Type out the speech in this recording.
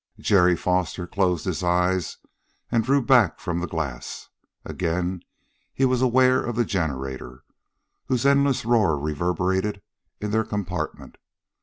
Jerry Foster closed his eyes and drew back from the glass. Again he was aware of the generator, whose endless roar reverberated in their compartment.